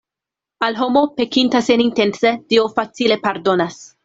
Al homo, pekinta senintence, Dio facile pardonas.